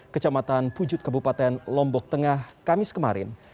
kecamatan pujut kebupaten lombok tengah kamis kemarin